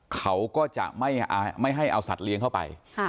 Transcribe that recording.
เขาก็จะไม่ให้เอาสัตว์เลี้ยงเข้าไป